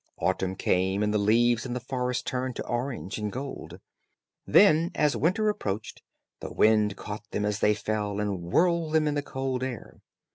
Autumn came, and the leaves in the forest turned to orange and gold. Then, as winter approached, the wind caught them as they fell and whirled them in the cold air.